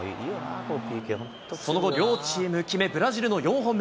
その後、両チーム決め、ブラジルの４本目。